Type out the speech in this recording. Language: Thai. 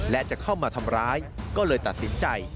และจะเข้ามาทำร้ายก็เลยตัดสินใจ